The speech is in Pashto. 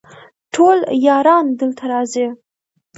ټول یاران دلته راځي